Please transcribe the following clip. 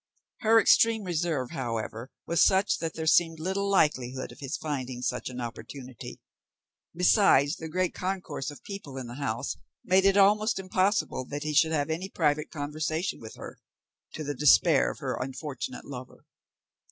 Her extreme reserve, however, was such that there seemed little likelihood of his finding such an opportunity; besides, the great concourse of people in the house made it almost impossible that he should have any private conversation with her,—to the despair of her unfortunate lover.